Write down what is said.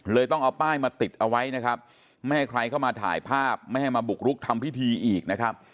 ต้องเอาป้ายมาติดเอาไว้นะครับไม่ให้ใครเข้ามาถ่ายภาพไม่ให้มาบุกรุกทำพิธีอีกนะครับ